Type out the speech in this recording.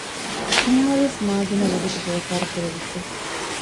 މިހާރުވެސް މާގިނަ ވަގުތު ބޭކާރު ކުރެވިއްޖެ